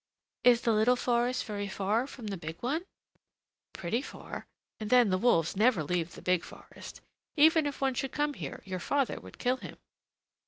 "Is the little forest very far from the big one?" "Pretty far; and then the wolves never leave the big forest. Even if one should come here, your father would kill him."